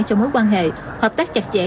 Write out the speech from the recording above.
cho mối quan hệ hợp tác chặt chẽ